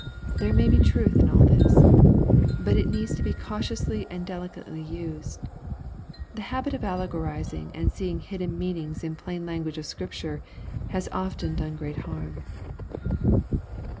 There may be truth in all this. But it needs to be cautiously and delicately used. The habit of allegorizing and seeing hidden meanings in plajn language of Scripture has often done great harm.